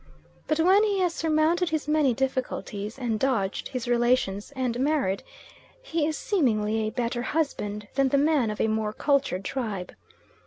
But when he has surmounted his many difficulties, and dodged his relations, and married, he is seemingly a better husband than the man of a more cultured tribe.